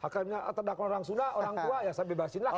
karena terdapat orang suna orang tua ya saya bebasinlah